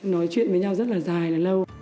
nói chuyện với nhau rất là dài là lâu